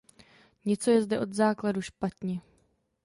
Něco je zde od základu špatně.